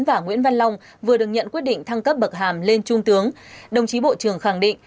và nguyễn văn long vừa được nhận quyết định thăng cấp bậc hàm lên trung tướng đồng chí bộ trưởng khẳng định